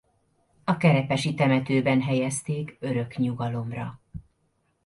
A Kerepesi temetőben helyezték örök nyugalomra.